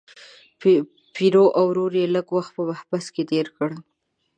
پیرو او ورور یې لږ وخت په محبس کې تیر کړ.